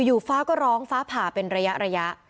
ฟ้าก็ร้องฟ้าผ่าเป็นระยะ